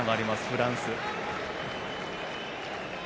フランス。